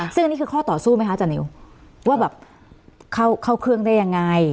ซึ่งอันนี้คือข้อต่อสู้ไหมคะอาจารย์นิวว่าแบบเข้าเครื่องได้ยังไง